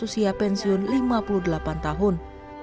dan meminta susia pensiun lima puluh delapan tahun